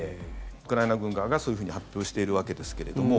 ウクライナ軍側がそういうふうに発表しているわけですけれども。